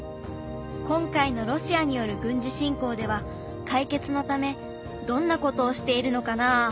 今回のロシアによる軍事侵攻では解決のためどんなことをしているのかなあ？